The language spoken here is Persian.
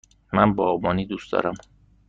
من باغبانی دوست دارم.